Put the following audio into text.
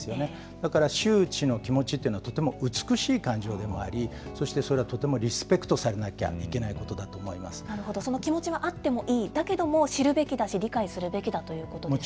だから羞恥の気持ちというのは、とても美しい感情でもあり、そして、それはとてもリスペクトされその気持ちはあってもいい、だけども知るべきだし、理解するべきだということですね。